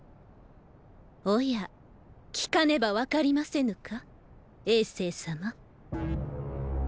おや聞かねば分かりませぬか政様。